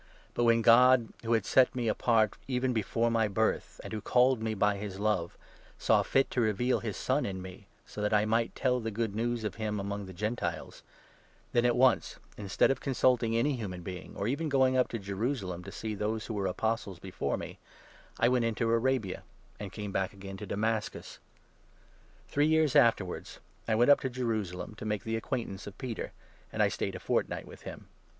But 15 when God, who had set me apart even before my birth, and who called me by his love, saw fit to reveal his Son 16 in rne, so that I might tell the Good News of him among the Gentiles, then at once, instead of consulting any human being, or even going up to Jerusalem to see those who were 17 Apostles before me, I went into Arabia, and came back again to Damascus. Three years afterwards I went up to 18 Jerusalem to make the acquaintance of Peter, and I stayed a fortnight with him.